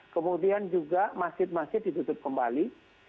kemudian juga masjid masjid ditutup kembali